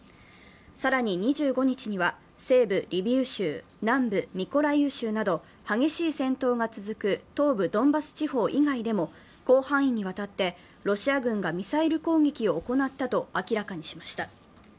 更に２５日には西部リビウ州、南部ミコライウ州など激しい戦闘が続く東部ドンバス地方以外でも広範囲にわたってロシア軍がミサイル攻撃を行ったと明らかにしました。